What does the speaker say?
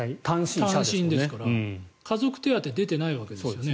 単身ですから家族手当出てないわけですよね。